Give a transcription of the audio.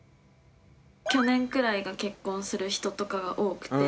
去年くらいが結婚する人とかが多くて。